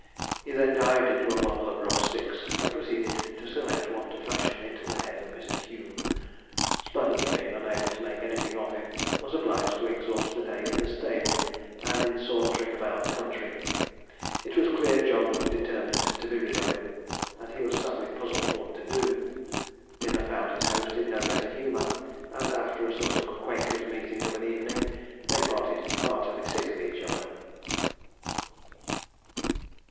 He then dived into a bundle of rough sticks, and proceeded to select one to fashion into the head of Mr. Hume. Sponge, being unable to make anything of him, was obliged to exhaust the day in the stable, and in sauntering about the country. It was clear Jog was determined to be rid of him, and he was sadly puzzled what to do. Dinner found his host in no better humour, and after a sort of Quakers' meeting of an evening, they parted heartily sick of each other.